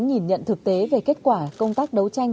nhìn nhận thực tế về kết quả công tác đấu tranh